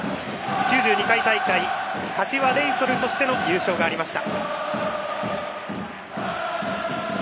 ９２回大会、柏レイソルとしての優勝がありました。